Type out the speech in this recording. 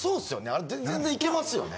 あれ全然いけますよね？